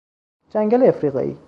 جنگل افریقایی